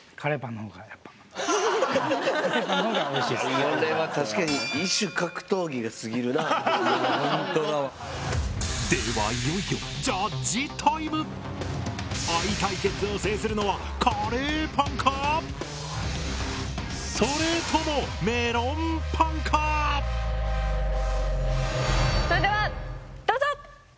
これは確かにではいよいよ「愛対決」を制するのはカレーパンか⁉それともメロンパンか⁉それではどうぞ！